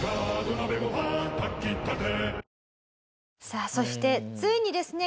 さあそしてついにですね